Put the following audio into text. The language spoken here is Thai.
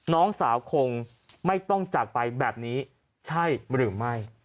น้องสาวคงไม่ต้องจากไปแบบนี้ใช่หรือไม่